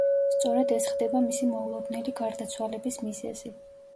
სწორედ ეს ხდება მისი მოულოდნელი გარდაცვალების მიზეზი.